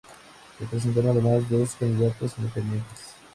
Se presentaron además dos candidatos independientes.